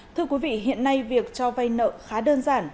thưa quý vị hiện nay việc cho vay nợ khá đơn giản